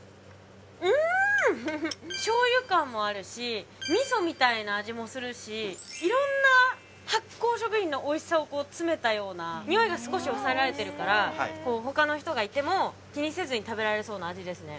醤油感もあるし味噌みたいな味もするし色んな発酵食品のおいしさを詰めたようなにおいが少し抑えられてるから他の人がいても気にせずに食べられそうな味ですね